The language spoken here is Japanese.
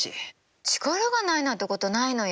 力がないなんてことないのよ。